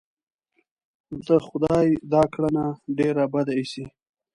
د خدای دا کړنه ډېره بده اېسي.